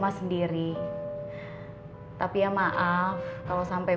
hidup sama mangsa ini